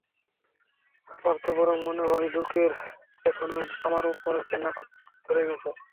আমার তো বরং মনে হয়, লোকের এখনই আমার ওপর ঘেন্না ধরে গেছে।